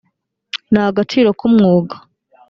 ni agaciro k’umwuga